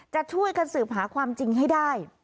จะช่วยกันสืบหาความจริงให้ได้